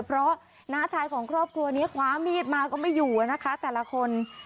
เพราะน้าชายของครอบครัวนี้คว้ามีดมาก็ไม่อยู่นะคะแต่ละคน